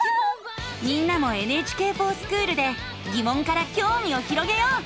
みんなも「ＮＨＫｆｏｒＳｃｈｏｏｌ」でぎもんからきょうみを広げよう。